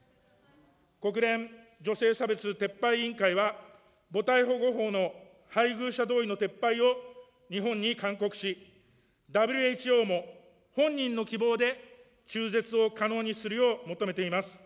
国連女性差別撤廃委員会は母体保護法の配偶者同意の撤廃を日本に勧告し、ＷＨＯも本人の希望で中絶を可能にするよう求めています。